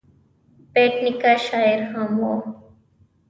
بېټ نیکه شاعر هم و.